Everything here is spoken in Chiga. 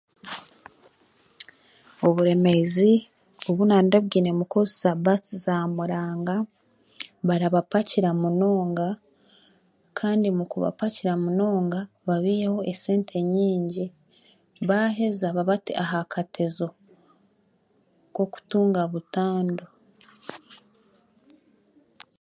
Oburemeezi obu naandabwine kukozesa baasi za muranga barabapakira munonga kandi mukubapakira munonga babiiheho esente nyingi baheeza babate aha katezo k'okutunga butandu